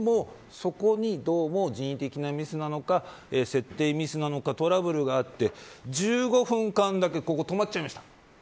でもそこに人為的なミスなのか設定ミスなのかトラブルがあって１５分間だけここがとまっちゃいました。